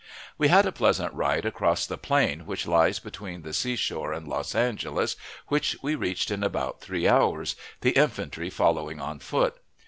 We had a pleasant ride across the plain which lies between the seashore and Los Angeles, which we reached in about three hours, the infantry following on foot.